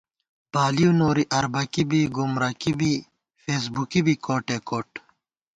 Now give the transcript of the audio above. بالِؤ نوری اربَکی بی گُمرَکی بی فېسبُکی بی کوٹے کوٹ